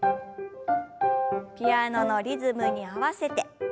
ピアノのリズムに合わせて。